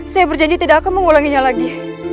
saya berjanji tidak akan mengulanginya lagi